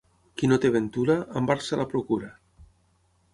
Qui no té ventura, amb art se la procura.